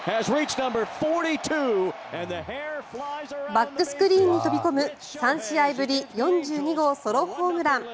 バックスクリーンに飛び込む３試合ぶり４２号ソロホームラン。